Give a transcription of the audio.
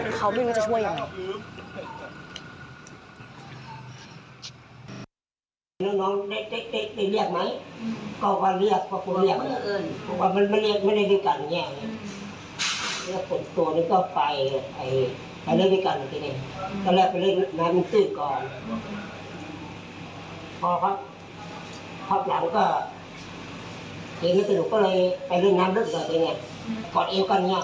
เพราะว่าเขาวิ่งก็จะช่วยยังไง